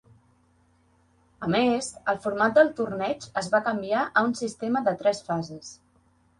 A més, el format del torneig es va canviar a un sistema de tres fases.